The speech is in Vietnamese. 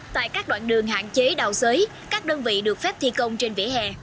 tại các đoạn đường hạn chế đào sới các đơn vị được phép thi công trên vỉa hè